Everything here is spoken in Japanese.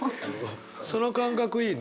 その感覚いいね。